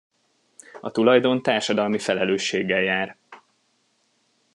A tulajdon társadalmi felelősséggel jár.